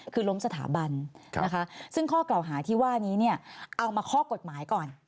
คือล้มสถาบันนะคะซึ่งข้อกล่าวหาที่ว่านี้เนี่ยเอามาข้อกฎหมายก่อน